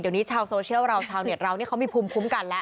เดี่ยวนี้ชาวโซเชียลเราชาวเน็ตเรามีภูมิผุมกันละ